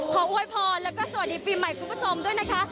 โวยพรแล้วก็สวัสดีปีใหม่คุณผู้ชมด้วยนะคะ